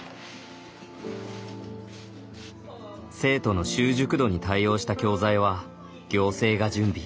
生徒の習熟度に対応した教材は行政が準備。